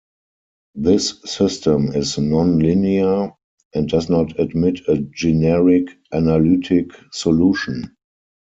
This system is non-linear, and does not admit a generic analytic solution.